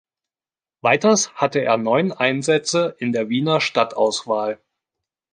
Weiters hatte er neun Einsätze in der Wiener Stadtauswahl.